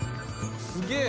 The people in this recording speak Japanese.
すげえ。